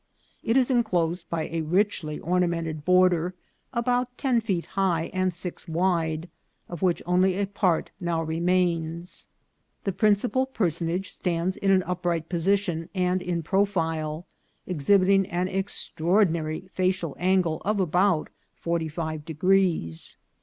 It is enclosed by a richly ornamented border, about ten feet high and six wide, of which only a part now remains. The principal person age stands in an upright position and in profile, exhibit ing an extraordinary facial angle of about forty five de grees.